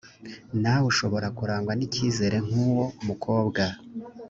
nawe ushobora kurangwa n’icyizere nk’uwo mukobwa